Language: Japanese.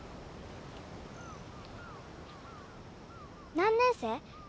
何年生？